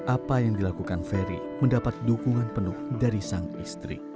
apa yang dilakukan ferry mendapat dukungan penuh dari sang istri